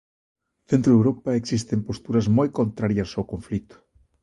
Dentro de Europa existen posturas moi contrarias ao conflito.